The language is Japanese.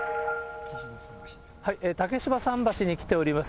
竹芝桟橋に来ております。